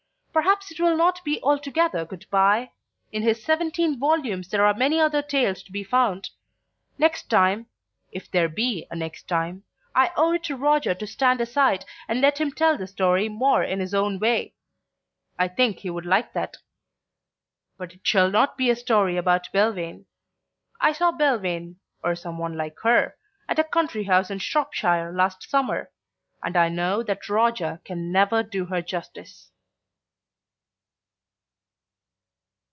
Perhaps it will not be altogether good bye; in his seventeen volumes there are many other tales to be found. Next time (if there be a next time) I owe it to Roger to stand aside and let him tell the story more in his own way. I think he would like that. But it shall not be a story about Belvane. I saw Belvane (or some one like her) at a country house in Shropshire last summer, and I know that Roger can never do her justice.